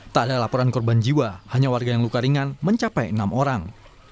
tak ada laporan korban jiwa hanya warga yang luka ringan mencapai enam orang